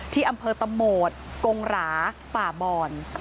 ที่อำเภอตะโหมดกงหราป่าบอน